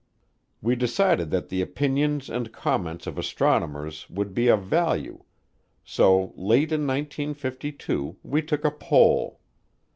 We decided that the opinions and comments of astronomers would be of value, so late in 1952 we took a poll.